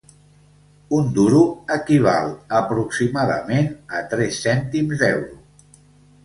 Un duro equival aproximadament a tres cèntims d'euro.